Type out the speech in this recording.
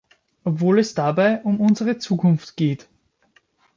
Obwohl es dabei um unsere Zukunft geht.